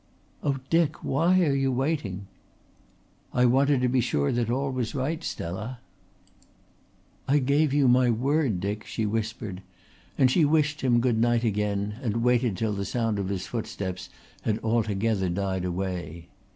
"Oh, Dick, why are you waiting?" "I wanted to be sure that all was right, Stella." "I gave you my word, Dick," she whispered and she wished him good night again and waited till the sound of his footsteps had altogether died away.